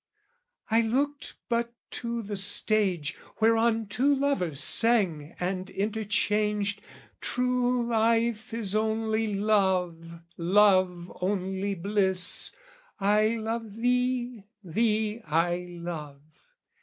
I looked but to the stage, Whereon two lovers sang and interchanged "True life is only love, love only bliss: "I love thee thee I love!"